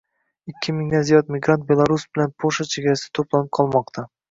Ikki mingdan ziyod migrant Belarus bilan Polsha chegarasida to‘planib qolmoqdang